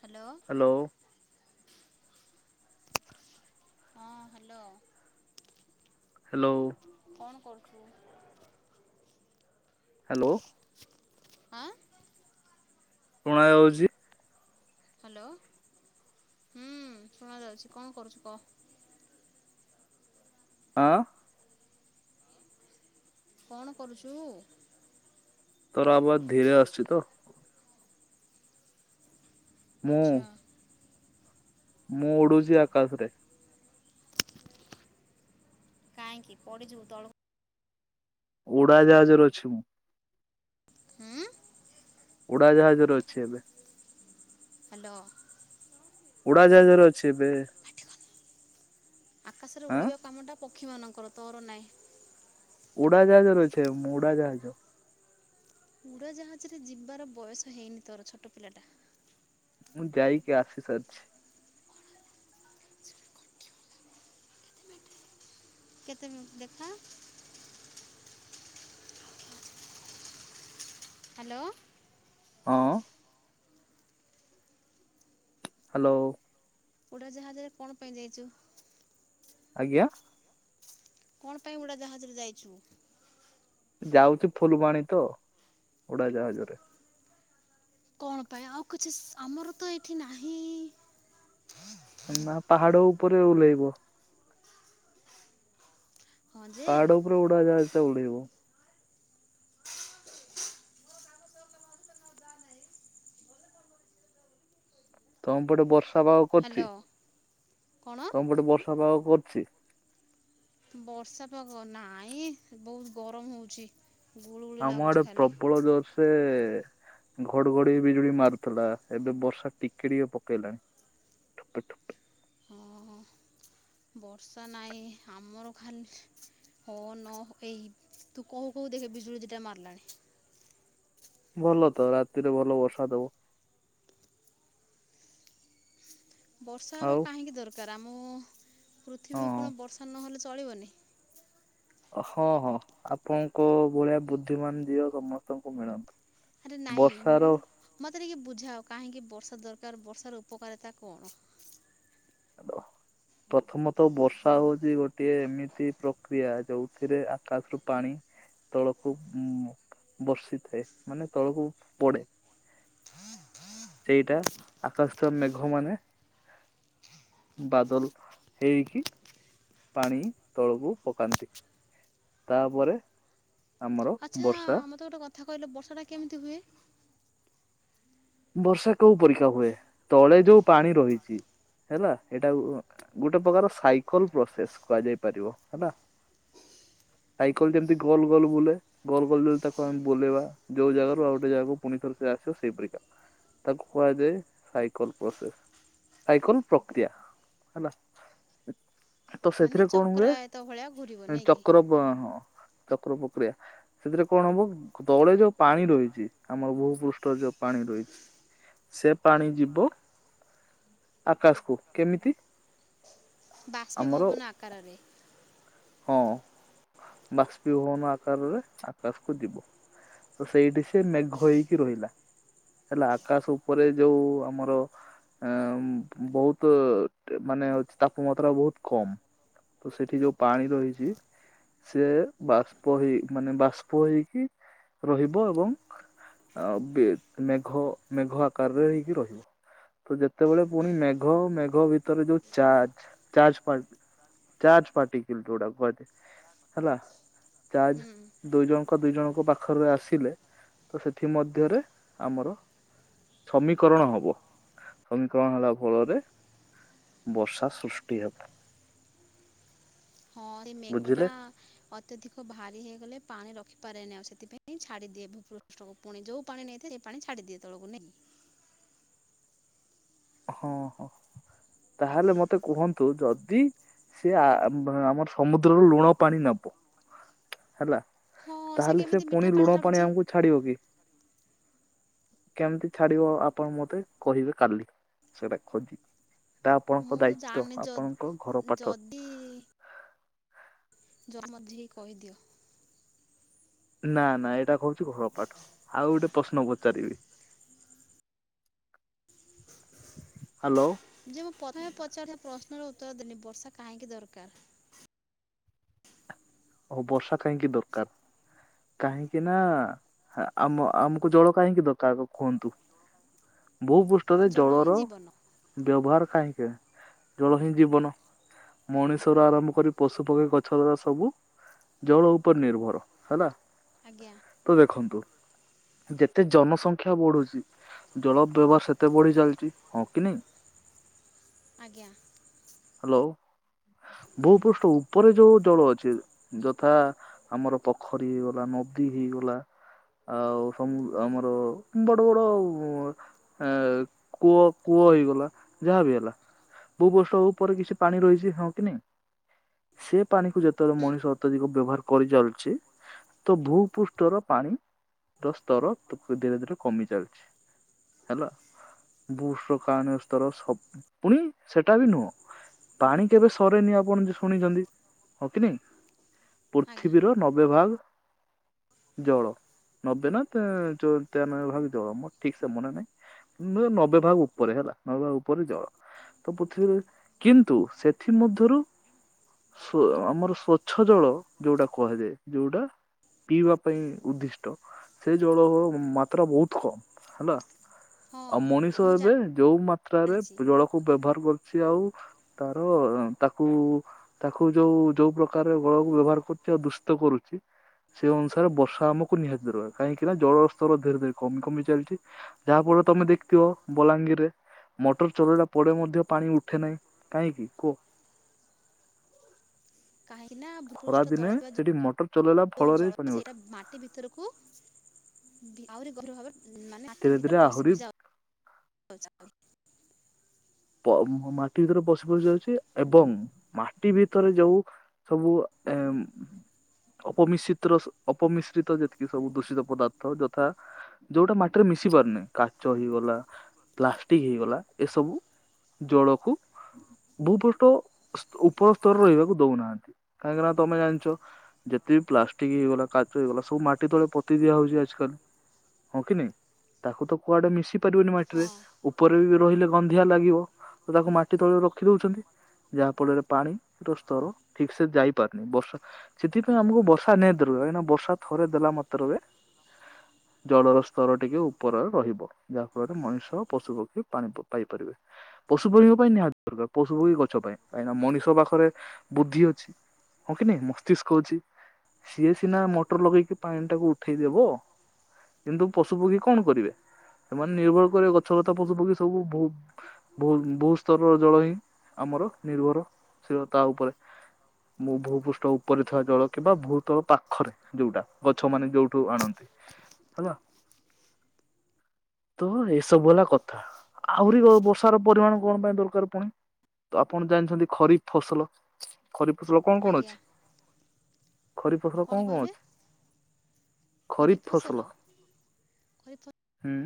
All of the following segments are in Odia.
Hello hello. ହଁ ହ୍ୟାଲୋ ହାଲୋ। ଣ କରୁଚୁ। ହାଲୋ। ଆଁ। ଶୁଣା ଯାଉଛି। ହାଲୋ ହୁଁ ଶୁଣା ଯାଉଛି କଣ କରୁଛୁ କହ। ଆଁ କଣ କରୁଛୁ। ତୋରୋ ଆବାଜ୍ ଧୀରେ ଆସୁଛି ତ ମୁଁ ଆଚ୍ଛା। ମୁଁ ଉଡୁଚି ଆକାଶରେ। କାହିଁକି ପଡିଯିବୁ ତଳୁକୁ ଉଡାଜାହାଜରେ ଅଛି ମୁଁ। ହୁଁ। ଉଡାଜାହାଜରେ ଅଛି ଏବେ। ହାଲୋ। ଉଡ଼ାଜାହାଜରେ ଅଛି ଏବେ। ଆକାଶରେ ଆଁ ଉଡିବା କାମଟା ପକ୍ଷୀ ମାନଙ୍କର ତୋରୋ ନାଇଁ। ଉଡ଼ାଜାହାଜରେ ଅଛି ଏବେ ମୁଁ ଉଡ଼ାଜାହାଜ। ଉଡାଜାହାଜରେ ଯିବାର ବୟସ ହେଇନି ତୋରୋ ଛୋଟୋ ପିଲା ଟା। ମୁଁ ଯାଇକି ଆସି ସାରିଛି। କେତେ ମି ଦେଖା। ହାଲୋ। ହଁ। ହାଲୋ। ଉଡାଜାହାଜରେ କଣ ପାଇଁ ଯାଇଚୁ? ଆଜ୍ଞା। କଣ ପାଇଁ ଉଡାଜାହାଜରେ ଯାଇଛୁ? ଯାଉଛି ଫୁଲବାଣୀ ତ ଉଡାଜାହାଜରେ। କଣ ପାଇଁ ଆଉ କିଛି ଆମର ତ ଏଇଠି ନାହିଁ? ଏଁନାଁ ପାହାଡ ଉପରେ ଓହ୍ଲେଇବ। ହଁ ଯେ ପାହାଡ ଉପରେ ଉଡାଜାହାଜ ଟା ଉଡେଇବ। ତମ ପଟେ ବର୍ଷା ପାଗ କରୁଚି ହ୍ୟାଲୋ କଣ ତମ ପଟେ ବର୍ଷା ପାଗ [unintelligible] ବର୍ଷା ପାଗ ନାଇଁ ବୋହୁତ ଗରମ ହୋଉଚି। ଆମ ଆଡେ ପ୍ରବଳ ଜୋରସେ ଘଡଘଡି ବିଜୁଳି ମାରୁଥୁଲା ଏବେ ବର୍ଷା ଟିକେ ଟିକେ ପକେଇଲାଣି। ଠୋପେ ଠୋପେ। ହଁ ବର୍ଷା ନାଇଁ ଆମର ଖାଲି ହୋନୋ ଏଇ ତୁ କୋହୁ କୋହୁ ଦେଖେ ବିଜୁଳି ଦିଟା ମାରଲାଣି। ଭଲ ତ ରାତିରେ ଭଲ ବର୍ଷା ଦବ। ବର୍ଷା ହେବା ଆଉ କାହିଁକି ଦରକାର ଆମ ପୃଥିବୀକୁ କଣ ହଁ ବର୍ଷା ନହେଲେ ଚଳିବନି। ଅ ହଁ ହଁ ଆପଣଙ୍କ ଭଳିଆ ବୁଦ୍ଧିମାନ ଝିଅ ସମସ୍ତଙ୍କୁ ମିଳନ୍ତୁ। ଆରେ ନାଇଁ ବର୍ଷାର ମୁଁ ମତେ ଟିକେ ବୁଝାଅ କାହିଁକି ବର୍ଷା ଦର କାର ବର୍ଷାର ଉପକାରିତା କଣ? [unintelligible] ପ୍ରଥମତଃ ବର୍ଷା ହଉଛି ଗୋଟେ ଏମିତି ପ୍ରକ୍ରିୟା ଯୋଉଥିରେ ଆକାଶରୁ ପାଣି ତଳକୁ ବର୍ଷିଥାଏ ମାନେ ତଳକୁ ପଡେ। ସେଇଟା ଆକାଶର ମେଘ ମାନେ ବାଦଲ ହେଇକି ପାଣି ତଳକୁ ପକାନ୍ତି। ତାପରେ ଆମର ଆଚ୍ଛା ବର୍ଷା ମୋତେ ଗୋଟେ କଥା କହିଲୁ ବର୍ଷାଟା କେମିତି ହୁଏ? ବର୍ଷା କୋଉ ପରୀକ୍ଷା ହୁଏ ତଳେ ଯୋଉ ପାଣି ରହିଛି। ହେଲା ଏଇଟା କୁ ଗୋଟେ ପ୍ରକାର ସାଇକଲ ପ୍ରସେସ କୁହାଯାଇ ପାରିବ ହେଲା। [inaudible] ସାଇକଲ ଯେମିତି ଗୋଲ ଗୋଲ ବୁଲେ ଗୋଲ ଗୋଲରୁ ତାକୁ ଆମେ ବୋଲବା ଯୋଉ ଜାଗାରୁ ଆଉ ଗୋଟେ ଜାଗାକୁ ପୁଣିଥରେ ସେ ଆସେ ସେଇ ପରିକା ତାକୁ କୁହାଯାଏ ସାଇକଲ ପ୍ରୋସେସ। ସାଇକଲ ପ୍ରକ୍ରିୟା ହେଲା। ତ ମାନେ ସେଥିରେ କଣ ହୁଏ ଚକ୍ରାୟତ ଭଳିଆ ଘୁରିବ ନାଇଁ କି ଚକ୍ର ଅ ବ ହଁ। ଚକ୍ର ପ୍ରକ୍ରିୟା ସେଥିରେ କଣ ହବ ତଳେ ଯୋଉ ପାଣି ରହିଛି ଆମର ଭୂ ପୃଷ୍ଠ ଯୋଉ ପାଣି ରହିଛି ସେ ପାଣି ଯିବ ଆକାଶକୁ କେମିତି? ବାଷ୍ପୀ ଆମର ଭବନ ଆକାରରେ। ହଁ ବାଷ୍ପୀଭବନ ଆକାରରେ ଆକାଶକୁ ଯିବ। ତ ସେଇଠି ସେ ମେଘ ହେଇକି ରହିଲା। ହେଲା ଆକାଶ ଉପରେ ଯୋଉ ଆମର ଆ ବହୁତୁ ମାନେ ହଉଛି ତାପମାତ୍ରା ବହୁତ କମ୍। ତ ସେଠି ଯୋଉ ପାଣି ରହିଛି ସିଏ ବାଷ୍ପ ହେଇ ମାନେ ବାଷ୍ପ ହେଇକି ରହିବ ଏବଂ ଆଉ ବି ମେଘ ମେଘ ଆକାରରେ ହେଇକି ରହିବ। ତ ଯେତେବେଳେ ପୁଣି ମେଘ ମେଘ ଭିତରେ ଯୋଉ ଚାର୍ଜ ଚାର୍ଜ କ୍ୱାଲ ଚାର୍ଜ ପାର୍ଟି କିିଲଉଡା କୁହାଯାଏ ହେଲା। ଚାର୍ଜ ହୁଁ ଦୁଇ ଜଣଙ୍କ ଦି ଜଣଙ୍କ ପାଖରେ ଆସିଲେ ତ ସେଥି ମଧ୍ୟରେ ଆମର ସମୀକରଣ ହବ ସମୀକରଣ ହେଲା ଫଳରେ ବର୍ଷା ସୃଷ୍ଟି ହେବ। ହଁ ଏ ମେଘ ଟା ବୁଝିଲେ ଅତ୍ୟଧିକ ଭାରି ହେଇଗଲେ ପାଣି ରଖିପାରେନି ଆଉ ସେଥିପାଇଁ ଛାଡ଼ିଦିଏ ଭୂପୃଷ୍ଠକୁ ପୁଣି ଯୋଉ ପାଣି ନେଇଥାଏ ସେ ପାଣି ଛାଡ଼ିଦିଏ ତଳକୁ ନେଇ [unintelligible] ହଁ ହଁ ତାହେଲେ ମତେ କୁହନ୍ତୁ ଯଦି ସେ ଆ ଆମର ସମୁଦ୍ରର ଲୁଣ ପାଣି ନେବ ହେଲା। ହଁ ତାହେଲେ ସେ କେମିତି ମିଠା ପୁଣି ଲୁଣ ପାଣି ଛାଡ଼ୁଛି ଆମକୁ ଛାଡିବ କି? କେମିତି ଛାଡିବ ଆପଣ ମତେ କହିବେ କାଲି ସେଟା ଖୋଜି। ଏଟା ଆପଣଙ୍କ ମୁଁ ତ ଦାୟିତ୍ଵ ଜାଣିନି ଯ ଆପଣଙ୍କ ଘର ପାଠ। ଯ ମଝେଇ କହିଦିଅ। ନା ନା ଏଇଟା କହୁଛି ଘରପଠ ଆଉ ଗୋଟେ ପ୍ରଶ୍ନ ପଚାରିବି। ହାଲୋ। ଯେ ମୁଁ ପ୍ରଥମେ ପଚାରିଲି ପ୍ରଶ୍ନର ଉତ୍ତର ଦେଲି ବର୍ଷା କାହିଁକି ଦରକାର? ଓ ବର୍ଷା କାହିଁକି ଦରକାର? କାହିଁକି ନା ଆମ ଆମକୁ ଜଳ କାହିଁକି ଦରକାର ଆଗ କୁହନ୍ତୁ? ଭୂପୃଷ୍ଠରେ ଜଳ ହିଁ ଜଳର ଜୀବନ ବ୍ୟବହାର କାହିଁକି ଜଳ ହିଁ ଜୀବନ ମଣିଷ ର ଆରମ୍ଭ କରି ପଶୁ ପକ୍ଷୀ ଗଛ ଲତା ସବୁ ଜଳ ଉପରେ ନିର୍ଭର ହେଲା। ଆଜ୍ଞା ତ ଦେଖନ୍ତୁ ଯେତେ ଜନସଂଖ୍ୟା ବଢୁଛି ଜଳ ବ୍ୟବହାର ସେତେ ବଢ଼ି ଚାଲିଛି ହଁ କି ନାଇଁ? ଆଜ୍ଞା। ହ୍ୟାଲୋ ଭୂପୃଷ୍ଠ ଉପରେ ଯୋଉ ଜଳ ଅଛି ଯଥା ଆମର ପୋଖରୀ ହେଇଗଲା ନଦୀ ହେଇଗଲା ଆଉ ସମୁ ଆମର ବଡ ବଡ ଉଁ ଅ କୂଅ କୂଅ କୂଅ ହେଇଗଲା ଯାହା ବି ହେଲା ଭୂପୃଷ୍ଠ ଉପରେ କିଛି ପାଣି ରହିଛି ହଁ କି ନାଇଁ? ସେ ପାଣିକୁ ଯେତେବେଳେ ହୁଁ ମଣିଷ ଅତ୍ୟଧିକ ବ୍ୟବହାର କରିଚାଲିଛି। ତ ଭୂ ପୃଷ୍ଠର ପାଣି ର ସ୍ତର ତ ଧୀରେ ଧୀରେ କମି ଚାଲିଛି। ହେଲା ବୁଷ କାନ ସ୍ତର ସବ ପୁଣି ସେଟା ବି ନୁହଁ। ପାଣି କେବେ ସରେନି ଆପଣ ଶୁଣିଛନ୍ତି ହଁ କି ନାଇ? ଆଜ୍ଞା ପୃଥିବୀର ନବେ ଭାଗ ଜଳ ନବେ ନା ତେୟା ଚୋ ତେୟାନବେ ଭାଗ ଜଳ ମୋ ଠିକସେ ମନେ ନାହିଁ। ନୋ ନବେ ଭାଗ ଉପରେ ହେଲା ନବେ ଭାଗ ଉପରେ ଜଳ। ତ ପୃିଥିବୀ କିନ୍ତୁ ସେଥିମଧ୍ୟରୁ ସୋ ଆମର ସ୍ବ ସ୍ୱଚ୍ଛ ଜଳ ଯୋଉଟା କୁହାଯାଏ ଯୋଉଟା ପିଇବା ପାଇଁ ଉଦ୍ଦିଷ୍ଟ ସେ ଜଳ ମାତ୍ରା ବହୁତ କମ୍ ହେଲା। ହଁ ଆଉ ମଣିଷ ମୁଁ ଏବେ ଯୋଉ ମାତ୍ରାରେ ଜାଣିଛି ଜଳକୁ ବ୍ୟବହାର କରୁ ସିଏ ଆଉ ତାର ତାକୁ ତାକୁ ଯୋଉ ଯୋଉ ପ୍ରକାର ଜଳକୁ ବ୍ୟବହାର କରୁଛି ଆଉ ଦୂଷିତ କରୁଛି। ସେ ଅନୁସାରେ ବର୍ଷା ଆମକୁ ନିହାତି ଦରକାର କାହିଁକିନା ଜଳର ସ୍ତର ଧୀରେ ଧୀରେ କମି କମି ଚାଲିଛି ଯାହାଫଳ ପୁଅ ତମେ ଦେଖିଥିବ ବଲାଙ୍ଗୀରରେ ମଟର ଚଲେଇଲା ପରେ ମଧ୍ୟ ପାଣି ଉଠେ ନାହିଁ କାହିଁକି କୁହ? [inaudible] କାହିଁକିନା ଖରା ଭୂପୃଷ୍ଠ ଦିନେ ତଳେ ଥିବା ଜ ସେଠି ମଟର ଚଲେଇଲା ଯୋଉ ଫଳରେ ପାଣି ଜଳ ଉଠେ ସେଇଟା ମାଟି ଭିତରକୁ ଭି ଆହୁରି ଗଭୀର ଭାବରେ ମାନେ ମାଟି ଧୀରେ ଧୀରେ ଭିତରକୁ ପଶି ଆହୁରି ପଶି ଚି ପ ମାଟି ଭିତରକୁ ପଶି ପଶି ଯାଉଛି ଏବଂ ମାଟି ଭିତରେ ଯୋଉ ସବୁ ଉଁ ଅପମିଶ୍ରିତ ଅପମିଶ୍ରିତ ଯେତିକି ସବୁ ଦୂଷିତ ପଦାର୍ଥ ଯଥା ଯୋଉଟା ମାଟିରେ ମିଶି ପାରୁନି କାଚ ହେଇଗଲା ପ୍ଲାଷ୍ଟିକ ହେଇଗଲା ଏସବୁ ଜଳକୁ ଭୂପୃଷ୍ଠ ସ ଉପର ସ୍ତରରେ ରହିବାକୁ ଦଉନାହାନ୍ତି କାହିଁକିନା ତମେ ଜାଣିଛ ଯେତେ ପ୍ଲାଷ୍ଟିକ ହେଇଗଲା କାଚ ହେଇଗଲା ସବୁ ମାଟି ତଳେ ପୋତି ଦିଆ ହଉଛି ଆଜ କାଲ। ହଁ କି ନାଇଁ ତାକୁ ତ କୁଆଡ଼େ ମିଶି ପାରିବନି ମାଟିରେ, ଉପରେ ବି ରହିଲେ ଗନ୍ଧିଆ ଲାଗିବ। ତ ତାକୁ ମାଟି ତଳେ ରଖି ଦଉଛନ୍ତି। ଯାହା ଫଳରେ ପାଣି ର ସ୍ତର ଠିକ ସେ ଯାଇପାରୁନି ବର୍ଷା ସେଥିପାଇଁ ଆମକୁ ବର୍ଷା ନିହାତି ଦରକ କାହିଁକିନା ବର୍ଷା ଥରେ ଦେଲା ମତ୍ରକେ ଜଳର ସ୍ତର ଟିକେ ଉପରରେ ରହିବ ଯାହା ଫଳରେ ମଣିଷ ପଶୁ ପକ୍ଷୀ ପାଣି ପାଇପାରିବେ। ପଶୁପକ୍ଷୀଙ୍କ ପାଇଁ ନିହାତି ଦରକାର ପଶୁପକ୍ଷୀ, ଗଛ ପାଇଁ କାହିଁକିନା ମଣିଷ ପାଖରେ ବୁଦ୍ଧି ଅଛି। ହଁ କି ନାଇଁ ମସ୍ତିଷ୍କ ଅଛି। ସିଏ ସିନା ମୋଟର ଲଗେଇକି ପାଣିଟାକୁ ଉଠେଇ ଦବ। କିନ୍ତୁ ପଶୁ ପକ୍ଷୀ କଣ କରିବେ ସେମାନେ ନିର୍ଭର କରିବେ ଗଛ ଲତା ପଶୁ ପକ୍ଷୀ ସବୁ ବୋହୁ ଭୂ-ଭୂସ୍ତରର ଜଳ ହିଁ ଆମର ନିର୍ଭରଶୀଳ ତା ଉପରେ। ମୁଁ ଭୂପୃଷ୍ଠ ଉପରେ ଥିବା ଜଳ କିମ୍ବା ଭୂତଳ ପାଖରେ ଯୋଉଟା ଗଛମାନେ ଯୋଉଠୁ ଆଣନ୍ତି। ହେଲା ତ ଏସବୁ ହେଲା କଥା। ଆହୁରି ବର୍ଷ ପରିମାଣ କଣ ପାଇଁ ଦରକାର ପୁଣି? ତ ଆପଣ ଜାଣିଛନ୍ତି ଖରିଫ୍ ଫସଲ ଖରିଫ୍ ଫସଲ କଣ କଣ ଆଜ୍ଞା ଅଛି? ଖରିଫ୍ ଫସଲ କଣ କଣ ଅଛି? ଖରିଫ ଫସଲ ଖରିଫ ହୁଁ।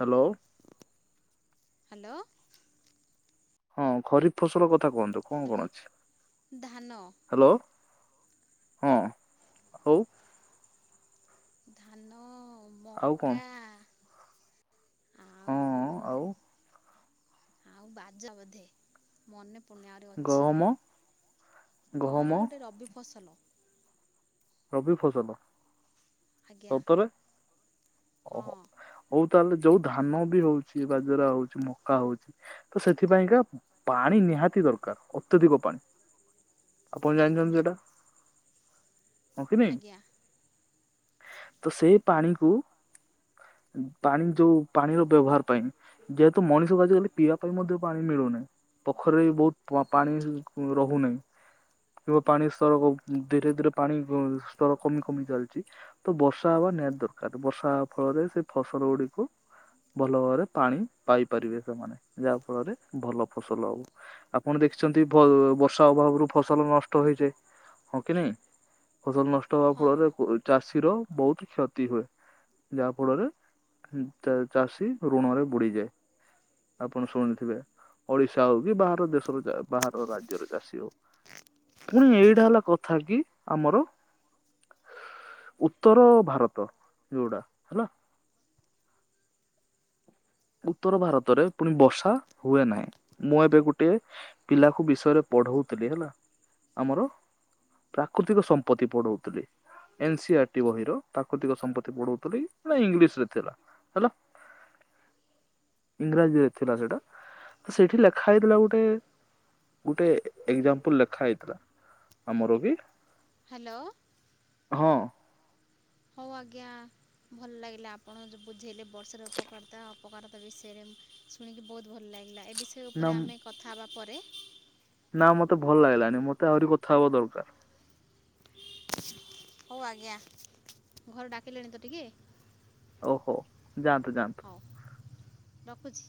ହ୍ୟାଲୋ ହ୍ୟାଲୋ ହଁ ଖରିଫ ଫସଲ କଥା କୁହନ୍ତୁ କଣ ହ୍ୟାଲୋ କଣ ଅଛି ଧାନ ହ୍ୟାଲୋ ହଁ ହଉ ଧାନ ଆଉ କଣ? ମକା ହଁ ଆଉ ଆଉ ଆଉ ବାଜା ବୋଧେ ମନେ ପଡ଼ୁନି ଆହୁରି ଅଛି। ଗହମ ଗହମ ଗୋଟେ ରବି ଫସଲ ରବି ଫସଲ? ଆଜ୍ଞା ସତରେ? ହଁ ଓହୋଃ ହଉ। ତାହେଲେ ଯୋଉ ଧାନ ବି ହଉଛି ବାଜରା ହଉଛି ମକା ହଉଛି ତ ସେଥିପାଇଁକା ପାଣି ନିହାତି ଦରକାର, ଅତ୍ୟଧିକ ପାଣି, ଆପଣ ଜାଣିଛନ୍ତି ସେଇଟା? ହଁ କି ନାଇଁ? ଆଜ୍ଞା ତ ସେଇ ପାଣିକୁ ପାଣି ଯୋଉ ପାଣିର ବ୍ୟବହାର ପାଇଁ ଯେହେତୁ ମଣିଷକୁ ଆଜିକାଲି ପିଇବା ପାଇଁ ମଧ୍ୟ ପାଣି ମିଳୁନାହିଁ ପୋଖରୀରେ ବି ବହୁତ ପାଣି ରହୁନାହିଁ କୂଅ ପାଣି ସବୁ ଧୀରେ ଧୀରେ ପାଣି ସ୍ତର କମି କମି ଚାଲିଛି ତ, ବର୍ଷା ହବା ନିହାତି ଦରକାର, ବର୍ଷା ହବା ଫଳରେ ସେ ଫସଲ ରୌଡ଼ିକୁ ଭଲ ଭାବରେ ପାଣି ପାଇପାରିବେ ସେମାନେ, ଯାହା ଫଳରେ ଭଲ ଫସଲ ହବ, ଆପଣ ଦେଖ ଦେଖିଛନ୍ତି ବର୍ଷା ଅଭାବରୁ ଫସଲ ନଷ୍ଟ ହେଇଯାଏ, ହଁ କି ନାଇଁ? ଫସଲ ନଷ୍ଟ ହବା ହଁ ଫଳରେ ଚାଷୀର ବହୁତ କ୍ଷତି ହୁଏ ଯାହା ଫଳରେ ଚାଷୀ ଋଣରେ ବୁଡିଯାଏ। ଆପଣ ଶୁଣିଥିବେ। ଓଡିଶା ହଉ କି ବାହାର ଦେଶର, ବାହାର ରାଜ୍ୟର ଚାଷୀ ହଉ। ପୁଣି ଏଇଟା ହେଲା କଥା କି ଆମର ଉତ୍ତର ଭାରତ ଯୋଉଟା ହେଲା। ଉତ୍ତର ଭାରତରେ ପୁଣି ବର୍ଷା ହୁଏ ନାହିଁ, ମୁଁ ଏବେ ଗୋଟେ ପିଲାକୁ ବିଷୟରେ ପଢଉଥିଲି ହେଲା, ଆମର ପ୍ରାକୃତିକ ସମ୍ପତ୍ତି ପଢଉଥିଲି। ଏନ ସି ଆରଟି ବହିର ପ୍ରାକୃତିକ ସମ୍ପତ୍ତି ପଢଉଥିଲ ଇଂଲିଶ ରେ ଥିଲା ହେଲା। ଇଂରାଜୀରେ ଥିଲା ସେଟା, ତ ସେଇଠି ଲେଖା ହେଇଥିଲା ଗୋଟେ ଗୋଟେ ଏକ୍ଜାମ୍ପଲ ଲେଖା ହେଇଥିଲା ଆମର ବି ହାଲୋ ହଁ ଅ ହଉ ଆଜ୍ଞା ଭଲ ଲାଗିଲା ଆପଣ ଯ ବୁଝେଇଲେ ବର୍ଷାର ଉପକାରିତା, ଅପକାରତା, ବିଷୟରେ ଶୁଣିକି ବହୁତ ଭଲ ଲାଗିଲା। ଏ ବିଷୟ ନା ଉପରେ ଆମେ କଥା ହେବା ପରେ ନା ମତେ ଭଲ ଲାଗିଲାନି, ମତେ ଆହୁରି କଥା ହବା ଦରକାର। ହଉ ଆଜ୍ଞା, ଘରେ ଡାକିିଲେଣି ତ ଟିକେ ଓହୋ, ଯାଆନ୍ତୁ ଯାଆନ୍ତୁ। ହଉ ରଖୁଛି